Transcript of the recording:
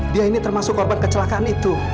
dia ini termasuk korban kecelakaan itu